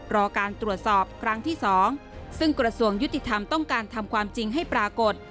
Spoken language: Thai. รอการตรวจสอบครั้งที่๒ซึ่งกระทรวงยุติธรรมต้องการทำความจริงให้ปรากฏ